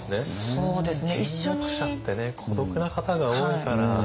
そうですね。